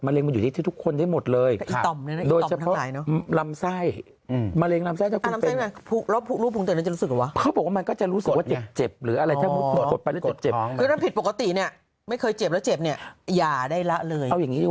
อันนี้มันตรวจสุขภาพ